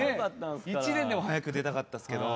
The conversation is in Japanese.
１年でも早く出たかったっすけど。